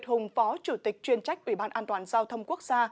việt hùng phó chủ tịch chuyên trách ủy ban an toàn giao thông quốc gia